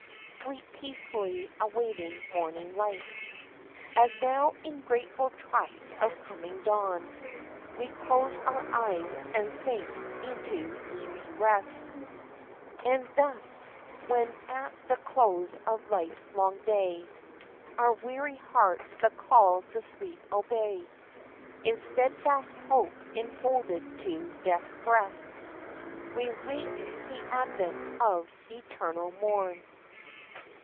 Sleep peacefully awaiting morning light. — As now in grateful trust of coming dawn We close our eyes and sink into sweet rest, E'en thus, when at the close of Life's long day Our weary hearts the call to sleep obey, In steadfast hope enfolded to Death's breast We'll wait the advent of eternal morn.